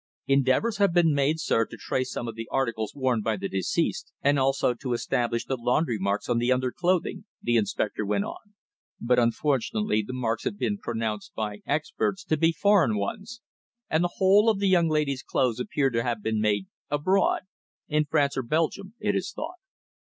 "Endeavours had been made, sir, to trace some of the articles worn by the deceased, and also to establish the laundry marks on the underclothing," the inspector went on, "but, unfortunately, the marks have been pronounced by experts to be foreign ones, and the whole of the young lady's clothes appear to have been made abroad in France or Belgium, it is thought."